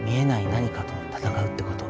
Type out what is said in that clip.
何かと闘うってこと。